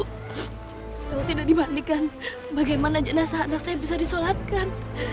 kalau tidak dimandikan bagaimana jenazah anak saya bisa disolatkan